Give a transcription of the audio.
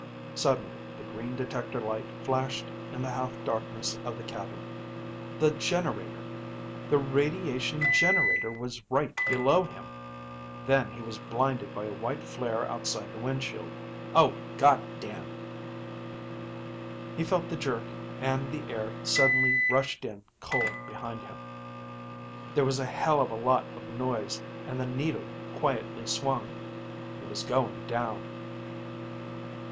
Suddenly the green detector light flashed in the half darkness of the cabin. The generator! The radiation generator was right below him. Then he was blinded by a white flare outside the windshield. Oh, God damn! He felt the jerk and the air suddenly rushed in cold behind him. There was a hell of a lot of noise and the needle quietly swung.... He was going down!